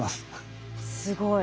すごい。